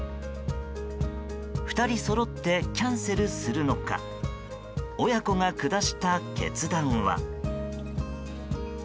２人そろってキャンセルするのか親子が下した決断は。